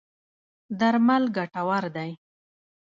درمل ګټور دی.